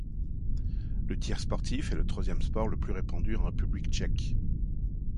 Le Tir sportif est le troisième sport le plus répandu en République tchèque.